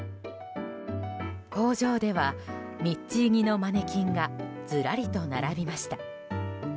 工場ではミッチー似のマネキンがずらりと並びました。